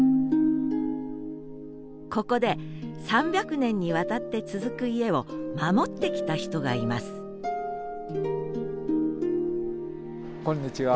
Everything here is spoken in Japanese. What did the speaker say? ここで３００年にわたって続く家を守ってきた人がいますこんにちは。